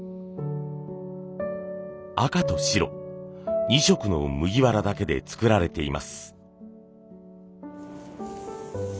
赤と白２色の麦わらだけで作られています。